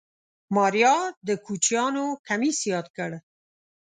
ماريا د کوچيانو کميس ياد کړ.